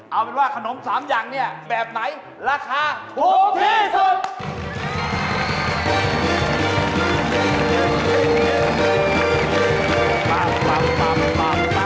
เอาเป็นว่าขนม๓อย่างเนี่ยแบบไหนราคาถูกที่สุด